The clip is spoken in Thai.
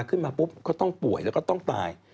ขึ้นมาปุ๊บก็ต้องป่วยแล้วก็ต้องตาย